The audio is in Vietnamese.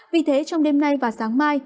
vì thế trong đêm nay và sáng mai